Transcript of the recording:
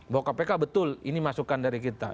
bahwa kpk betul ini masukan dari kita